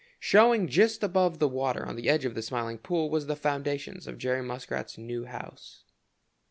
Showing just above the water on the edge of the Smiling Pool was the foundation of Jerry Muskrat's new house.